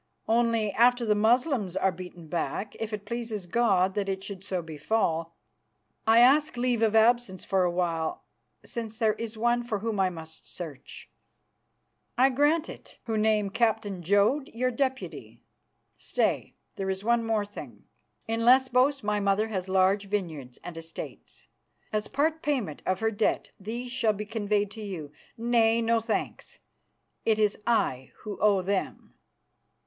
"Only, after the Moslems are beaten back, if it pleases God that it should so befall, I ask leave of absence for a while, since there is one for whom I must search." "I grant it, who name Captain Jodd your deputy. Stay, there's one more thing. In Lesbos my mother has large vineyards and estates. As part payment of her debt these shall be conveyed to you. Nay, no thanks; it is I who owe them.